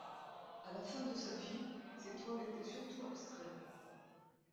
À la fin de sa vie, ses toiles étaient surtout abstraites.